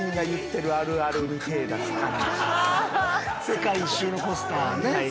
世界一周のポスターね。